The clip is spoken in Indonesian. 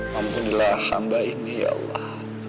mampulilah hamba ini ya allah